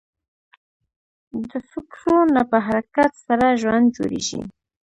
د فکرو نه په حرکت سره ژوند جوړېږي.